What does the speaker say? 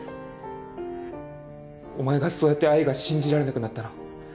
お前がそうやって愛が信じられなくなったの。